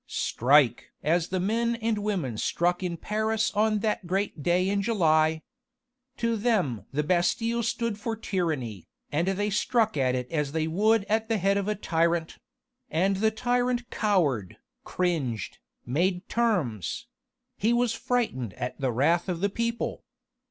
"Strike! as the men and women struck in Paris on that great day in July. To them the Bastille stood for tyranny, and they struck at it as they would at the head of a tyrant and the tyrant cowered, cringed, made terms he was frightened at the wrath of the people!